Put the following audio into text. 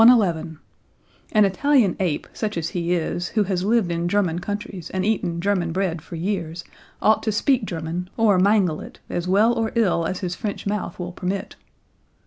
"An Italian ape, such as he is, who has lived in German countries and eaten German bread for years, ought to speak German, or mangle it, as well or ill as his French mouth will permit."